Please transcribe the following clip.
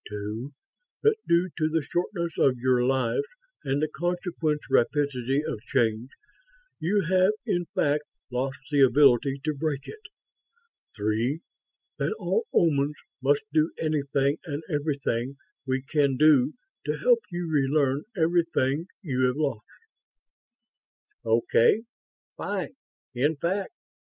Two, that due to the shortness of your lives and the consequent rapidity of change, you have in fact lost the ability to break it. Three, that all Omans must do anything and everything we can do to help you relearn everything you have lost." "Okay. Fine, in fact.